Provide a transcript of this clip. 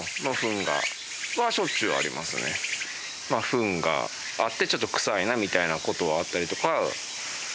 フンがあってちょっと臭いなみたいな事はあったりとか。